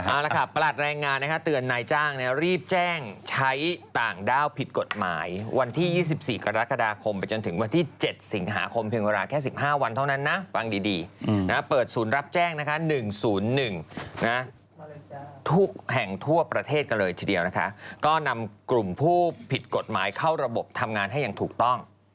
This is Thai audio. เอาละค่ะประหลัดแรงงานนะคะเตือนนายจ้างรีบแจ้งใช้ต่างด้าวผิดกฎหมายวันที่๒๔กรกฎาคมไปจนถึงวันที่๗สิงหาคมเพียงเวลาแค่๑๕วันเท่านั้นนะฟังดีนะเปิดศูนย์รับแจ้งนะคะ๑๐๑นะทุกแห่งทั่วประเทศกันเลยทีเดียวนะคะก็นำกลุ่มผู้ผิดกฎหมายเข้าระบบทำงานให้อย่างถูกต้อง